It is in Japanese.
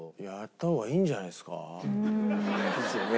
ですよね。